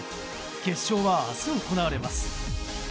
決勝は明日、行われます。